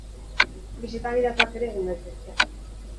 Bisita gidatuak ere egin daitezke.